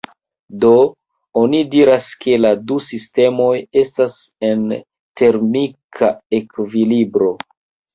Do oni diras ke la du sistemoj estas en termika ekvilibro.